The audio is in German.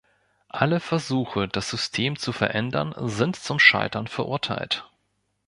Alle Versuche, das System zu verändern, sind zum Scheitern verurteilt.